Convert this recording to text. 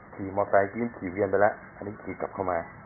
ขี่มอไซค์ขี่เวียนไปแล้วอันนี้ขี่กลับเข้ามา